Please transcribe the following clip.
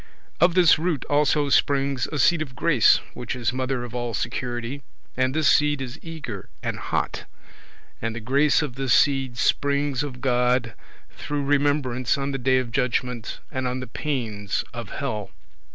Of this root also springs a seed of grace, which is mother of all security, and this seed is eager and hot; and the grace of this seed springs of God, through remembrance on the day of judgment and on the pains of hell.